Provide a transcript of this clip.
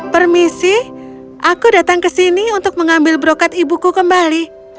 permisi aku datang ke sini untuk mengambil brokat ibuku kembali